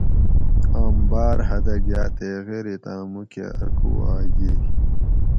آم باۤرہ حدہ گاۤ تے غیریتاۤن مُوکہ اۤ کُوواۤئ ییئ